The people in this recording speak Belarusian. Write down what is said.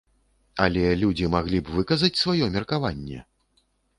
Але людзі маглі б выказаць сваё меркаванне?